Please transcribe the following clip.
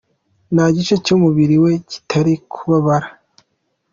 Nta gice cy'umubiri we kitari kubabara.